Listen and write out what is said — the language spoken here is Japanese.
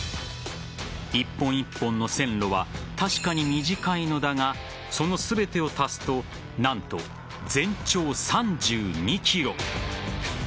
一本一本の線路は確かに短いのだがその全てを足すと何と全長３２ｋｍ。